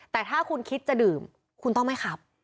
แต่ถ้าคุณคิดจะดื่มคุณต้องไม่ขับ